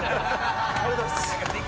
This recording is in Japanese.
ありがとうございます。